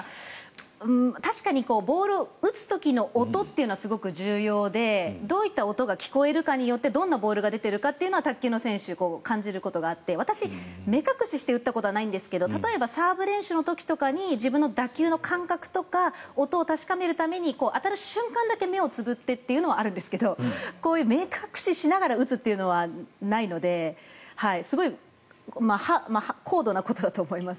確かにボールを打つ時の音というのはすごく重要で、どういった音が聞こえるかによってどんなボールが出ているかというのは卓球の選手は感じることがあって私、目隠しして打ったことはないんですが例えばサーブ練習の時とかに自分の打球とか感覚を確かめるためにあたる瞬間だけ目をつぶってというのはあるんですけどこういう目隠ししながら打つというのはないのですごい高度なことだと思います。